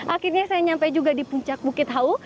akhirnya saya sampai juga di puncak bukit hau